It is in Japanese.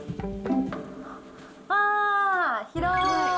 わー、広い。